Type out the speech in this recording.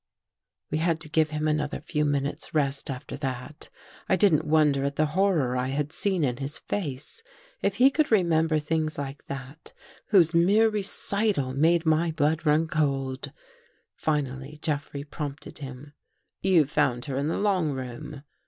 We had to give him another few minutes' rest after that. I didn't wonder at the horror I had seen in his face. If he could remember things like that, whose mere recital made my blood run cold! Finally Jeffrey prompted him. " You found her in the long room.